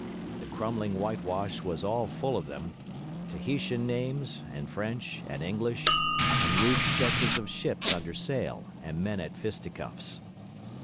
The crumbling whitewash was all full of them: Tahitian names, and French, and English, and rude sketches of ships under sail and men at fisticuffs.